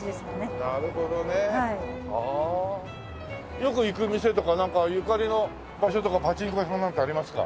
よく行く店とかゆかりの場所とかパチンコ屋さんなんかありますか？